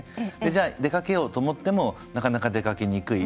じゃあ出かけようと思ってもなかなか出かけにくい。